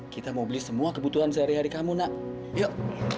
kita mau beli semua kebutuhan sehari hari kamu nak yuk